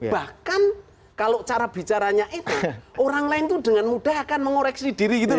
bahkan kalau cara bicaranya itu orang lain itu dengan mudah akan mengoreksi diri gitu